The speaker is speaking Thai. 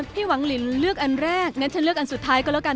พี่หวังลินเลือกอันแรกงั้นฉันเลือกอันสุดท้ายก็แล้วกัน